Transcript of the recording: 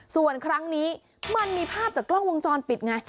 ส่วนครั้งนี้มันมีภาพจากกล้องวงจรปิดไง